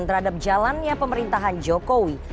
terhadap jalannya pemerintahan jokowi